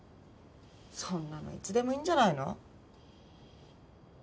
そんなのいつでもいいんじゃないの？